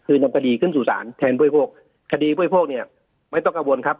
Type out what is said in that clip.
คือนำกดีขึ้นสู่ศาลแทนพวกพวกคดีพวกพวกเนี้ยไม่ต้องกระบวนครับ